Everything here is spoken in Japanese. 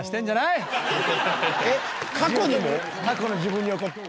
過去の自分に怒ってる。